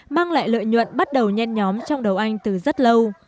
mang lại lợi nhuận bắt đầu nhen nhóm trong đầu anh từ rất lâu